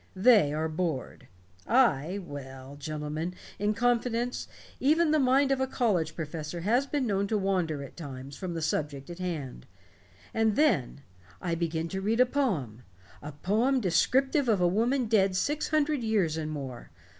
They are bored. I well, gentlemen, in confidence, even the mind of a college professor has been known to wander at times from the subject in hand. And then I begin to read a poem a poem descriptive of a woman dead six hundred years and more.